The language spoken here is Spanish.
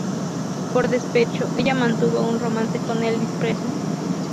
Por despecho, ella mantuvo un romance con Elvis Presley.